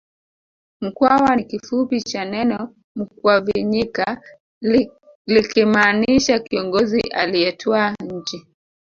Mkwawa ni kifupi cha neno Mukwavinyika likimaanisha kiongozi aliyetwaa nchi